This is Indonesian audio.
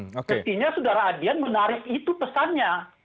sepertinya sudara adian menarik itu pesannya